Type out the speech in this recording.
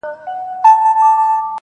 سیاه پوسي ده، ستا غمِستان دی